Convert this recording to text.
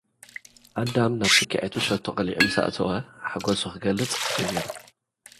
ኣዳም፡ ናብ ሰክዔቱ ሸቶ ቀሊዑ ምስኣእተወ፡ ሓጐሱ ኽገልጽ ጀሚሩ።